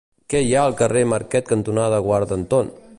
Què hi ha al carrer Marquet cantonada Guarda Anton?